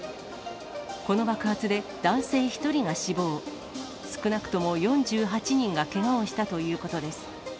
この爆発で男性１人が死亡、少なくとも４８人がけがをしたということです。